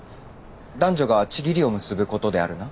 男女が契りを結ぶことであるな。